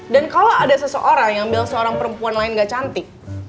dan kalo ada seseorang yang bilang seorang perempuan lain gak cantik